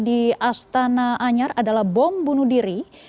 di astana anyar adalah bom bunuh diri